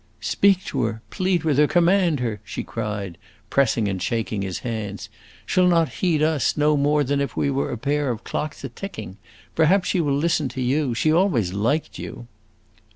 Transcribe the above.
"Speak to her, plead with her, command her!" she cried, pressing and shaking his hands. "She 'll not heed us, no more than if we were a pair of clocks a ticking. Perhaps she will listen to you; she always liked you."